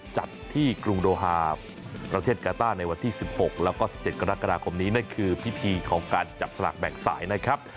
จัดที่กรุงโดฮาประเทศกาต้าในวันที่๑๖แล้วก็๑๗กรกฎาคมนี้นั่นคือพิธีของการจับสลากแบ่งสายนะครับ